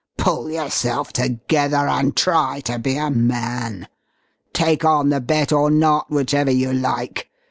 "Pull yourself together and try to be a man. Take on the bet or not, whichever you like.